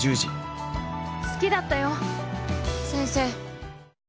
好きだったよ、先生。